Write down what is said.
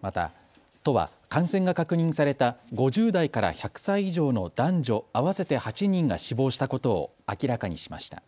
また、都は感染が確認された５０代から１００歳以上の男女合わせて８人が死亡したことを明らかにしました。